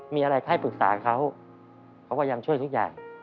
มีอะไรให้ปรึกษาเขาเขาก็ยังช่วยทุกอย่าง